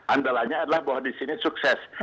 andalanya adalah bahwa di sini sukses